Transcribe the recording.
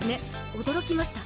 驚きました。